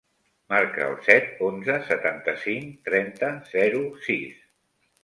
Marca el set, onze, setanta-cinc, trenta, zero, sis.